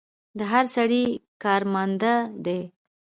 د هر سړي کار ماندۀ دی